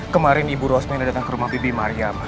kemarin ibu rosmina datang ke rumah bibi mariam